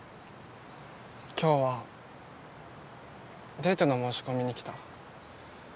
今日はデートの申し込みに来た。